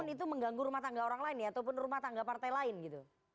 itu mengganggu rumah tangga orang lain ya ataupun rumah tangga partai lain gitu